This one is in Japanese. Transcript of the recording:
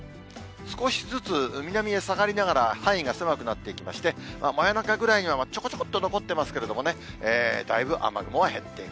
少しずつ南へ下がりながら、範囲が狭くなっていきまして、真夜中ぐらいにはちょこちょこっと残っていますけれどもね、だいぶ雨雲は減っていく。